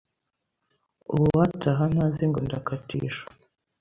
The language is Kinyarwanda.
Ubu uwataha ntazi ngo ndakatisha